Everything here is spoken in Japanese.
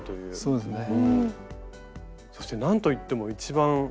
そうですね。